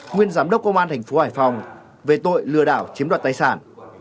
nguyên giám đốc công an thành phố hải phòng về tội lừa đảo chiếm đoạt tài sản